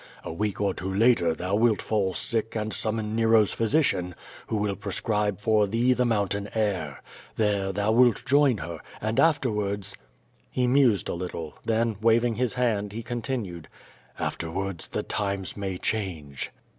A week or two later thou wilt fall sick and sum mon Nero's physician, who will prescribe for thee the moun tain air. There thou wilt join her, and afterwards —" He mused a little, then, waving his hand, he continued: "Afterwards, the times may change."